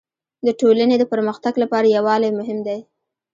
د ټولني د پرمختګ لپاره يووالی مهم دی.